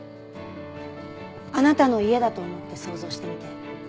あなたの家だと思って想像してみて。